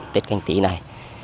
tết kinh tí này